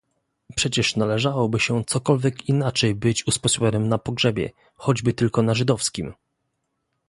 "Przecież należałoby się cokolwiek inaczej być usposobionym na pogrzebie, choćby tylko na żydowskim!"